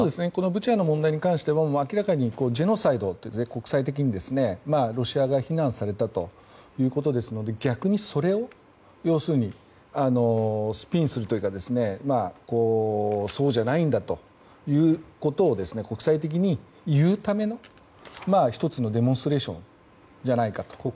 ブチャの問題に関しても明らかにジェノサイドだと国際的にロシア側が非難されたということですので逆にそれをスピンするというかそうじゃないんだということを国際的に言うための、１つのデモンストレーションじゃないかと思います。